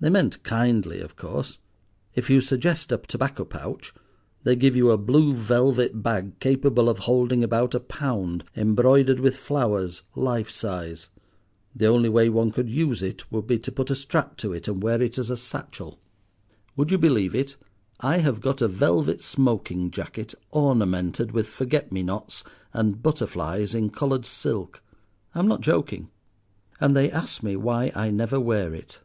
They meant kindly, of course. If you suggest a tobacco pouch they give you a blue velvet bag capable of holding about a pound, embroidered with flowers, life size. The only way one could use it would be to put a strap to it and wear it as a satchel. Would you believe it, I have got a velvet smoking jacket, ornamented with forget me nots and butterflies in coloured silk; I'm not joking. And they ask me why I never wear it.